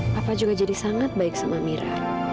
papa juga jadi sangat baik sama mira